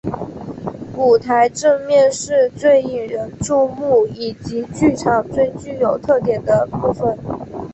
舞台正面是最引人注目以及剧场最具有特点的部分。